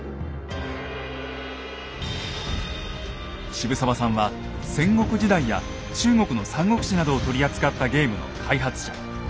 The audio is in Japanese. シブサワさんは戦国時代や中国の「三国志」などを取り扱ったゲームの開発者。